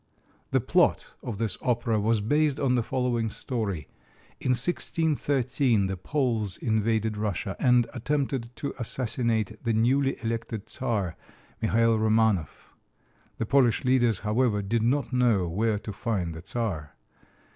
The plot of this opera was based on the following story: In 1613 the Poles invaded Russia and attempted to assassinate the newly elected Czar, Michael Romanoff. The Polish leaders, however, did not know where to find the Czar.